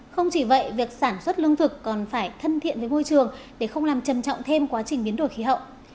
không chỉ vậy việc sản xuất lương thực còn phải thân thiện với môi trường để không làm trầm trọng thêm quá trình biến đổi khí hậu